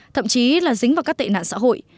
thậm chí là dính vào các tệ nạn xã hội